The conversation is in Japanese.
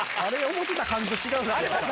思てた感じと違う。